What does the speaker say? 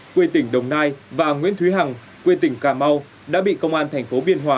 quê tỉnh đồng nai và nguyễn thúy hằng quê tỉnh cà mau đã bị công an thành phố biên hòa